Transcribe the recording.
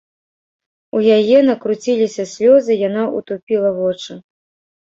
У яе накруціліся слёзы, яна ўтупіла вочы.